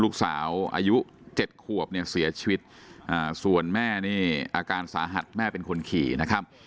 ลูกสาวอายุ๗ขวบเนี่ยเสียชีวิตส่วนแม่นี่อาการสาหัสแม่เป็นคนขี่นะครับ